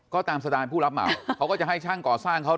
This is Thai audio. ก็ตามสดานผู้รับเหมาเขาก็จะให้ช่างก่อสร้างเขา